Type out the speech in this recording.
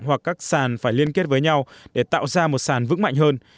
hoặc các sàn phải liên kết với nhau để tạo ra một sàn vững mạnh hơn